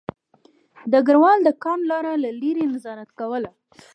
ډګروال د کان لاره له لیرې نظارت کوله